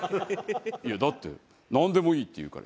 いやだってなんでもいいって言うから。